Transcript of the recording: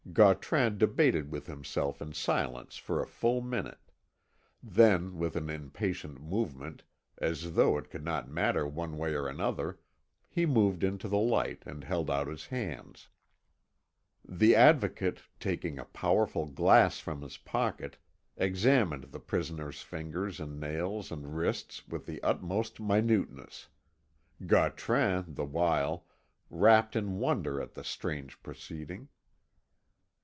Gautran debated with himself in silence for a full minute; then, with an impatient movement, as though it could not matter one way or another, he moved into the light, and held out his hands. The Advocate, taking a powerful glass from his pocket, examined the prisoner's fingers and nails and wrists with the utmost minuteness, Gautran, the while, wrapped in wonder at the strange proceeding.